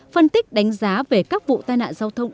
phân tích đánh giá về các vụ tai nạn giao thông